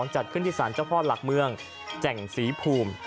จัดขึ้นที่สารเจ้าพ่อหลักเมืองแจ่งศรีภูมิ